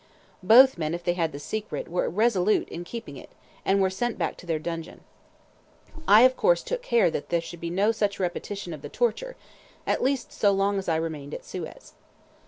Both men, if they had the secret, were resolute in keeping it, and were sent back to their dungeon. I of course took care that there should be no repetition of the torture, at least so long as I remained at Suez.